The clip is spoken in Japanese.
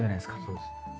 そうですね。